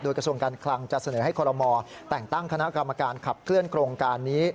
กระทรวงการคลังจะเสนอให้คอลโมแต่งตั้งคณะกรรมการขับเคลื่อนโครงการนี้